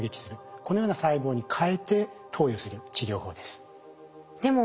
このような細胞にかえて投与する治療法です。